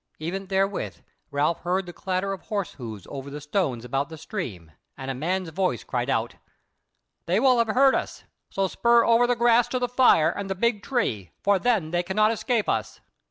Even therewith Ralph heard the clatter of horse hoofs over the stones about the stream, and a man's voice cried out: "They will have heard us; so spur over the grass to the fire and the big tree: for then they cannot escape us."